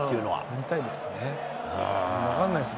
見たいですね。